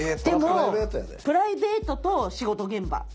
でもプライベートと仕事現場。